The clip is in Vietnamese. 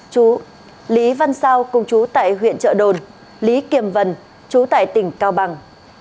chú lý văn sao công chú tại huyện trợ đồn lý kiềm vân chú tại tỉnh cao bằng